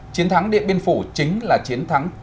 chiến thắng điện biên phủ chính là chiến thắng tất yếu